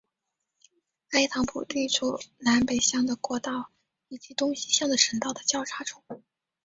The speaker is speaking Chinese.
埃唐普地处南北向的国道以及东西向的省道的交叉处。